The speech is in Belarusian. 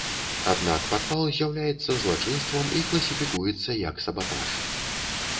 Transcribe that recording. Аднак падпал з'яўляецца злачынствам і класіфікуецца як сабатаж.